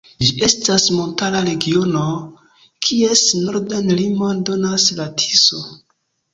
Ĝi estas montara regiono, kies nordan limon donas la Tiso.